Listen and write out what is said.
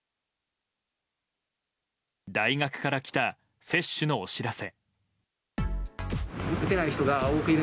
大学から来た接種のお知らせ。